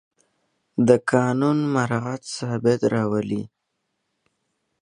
د قانون مراعت ثبات راولي